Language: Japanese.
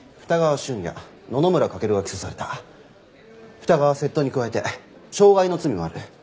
二川は窃盗に加えて傷害の罪もある。